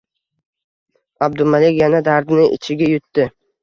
Abdumalik yana dardini ichiga yutdi